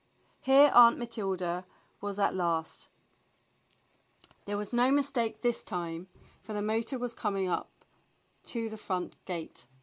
^ Here Aunt Matilda was at last; there was no mis take this time, for the motor was coming up to the front gate.